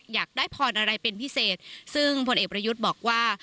อยากได้พรอะไรเป็นพิเศษซึ่งพลเอกประยุทธ์บอกว่า